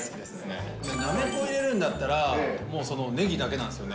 なめこ入れるんだったら、もうねぎだけなんですよね。